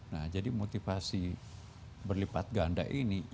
nah jadi motivasi berlipat ganda ini ikut juga membantu